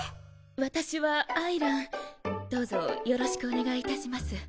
私は愛藍どうぞよろしくお願いいたします。